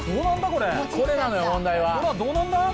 これこれどうなんだ？